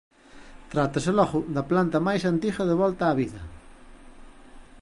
Trátase logo da planta máis antiga devolta á vida.